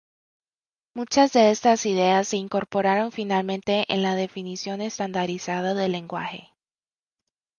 Muchas de estas ideas se incorporaron finalmente en la definición estandarizada del lenguaje.